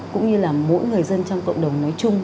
cũng như là mỗi người dân trong cộng đồng nói chung